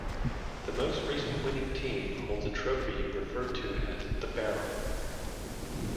The most recent winning team holds a trophy referred to as The Barrel.